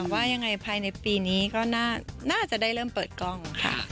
ว่ายังไงภายในปีนี้ก็น่าจะได้เริ่มเปิดกล้องค่ะ